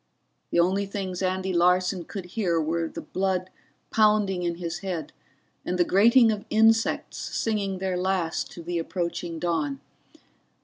The only things Andy Larson could hear were the blood pounding in his head and the grating of insects singing their last to the approaching dawn.